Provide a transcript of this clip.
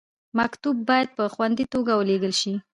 مکتوب باید په خوندي توګه ولیږل شي.